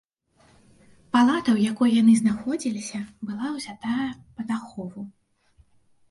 Палата, у якой яны знаходзіліся, была ўзятая пад ахову.